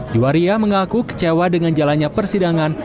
diwaria mengaku kecewa dengan jalannya persidangan